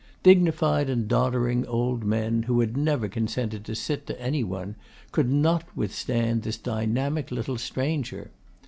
Dignified and doddering old men, who had never consented to sit to any one, could not withstand this dynamic little stranger.